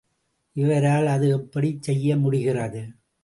இவரால் அது எப்படிச் செய்யமுடிகிறது?